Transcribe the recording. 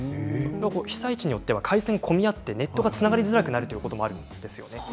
被災地によっては回線が混み合ってネットがつながりづらくなることもあります。